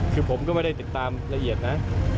คือผมก็ไม่ได้ติดตามละเอียดนะ